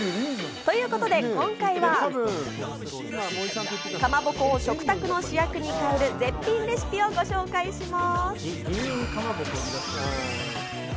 ということで今回は、かまぼこを食卓の主役に変える絶品レシピをご紹介します。